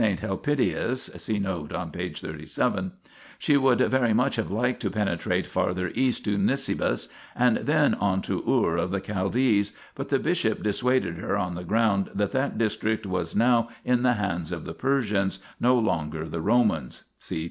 Helpidius (see note on p. 37) 1 She would very much have liked to penetrate farther east to Nisibis, and then on to Ur of the Chaldees ; but the bishop dissuaded her on the ground that that district was now in the hands of the Persians, no longer the Romans (see p.